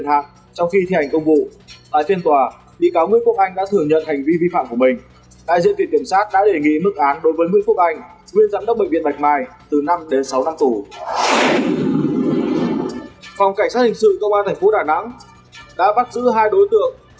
hãy đăng ký kênh của chúng mình nhé